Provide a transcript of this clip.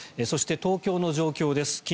そして東京の状況です。